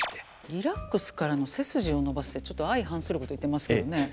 リラックスからの背筋を伸ばすってちょっと相反すること言ってますけどね。